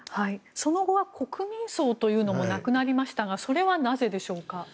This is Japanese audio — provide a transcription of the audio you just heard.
その後は国民葬もなくなりましたがそれはなぜでしょうか？